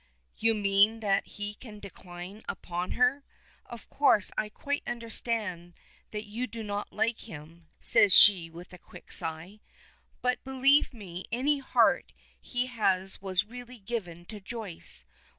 "You mean that he can decline upon her. Of course I can quite understand that you do not like him," says she with a quick sigh. "But, believe me, any heart he has was really given to Joyce.